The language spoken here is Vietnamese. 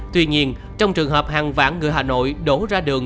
tuy nhiên trong trường hợp hàng vạn người hà nội đổ ra đường